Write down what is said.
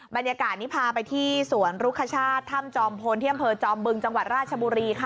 บรรยากาศนี้พาไปที่สวนรุคชาติถ้ำจอมพลที่อำเภอจอมบึงจังหวัดราชบุรีค่ะ